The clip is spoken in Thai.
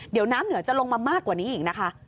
เดี๋ยวน้ำเหนือจะลงมามากกว่านี้อีกนะคะ